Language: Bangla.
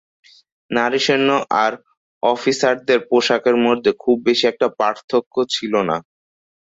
নারী সৈন্য আর অফিসারদের পোশাকের মধ্যে খুব বেশি একটা পার্থক্য ছিলোনা।